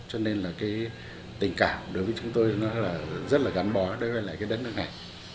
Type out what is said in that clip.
cho nên là cái tình cảm đối với chúng tôi nó là rất là gắn bó đối với lại cái đất nước này